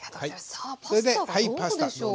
さあパスタはどうでしょうか。